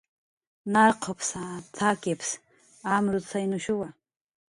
"Narqupsa, t""akips amrutzaynushuwa"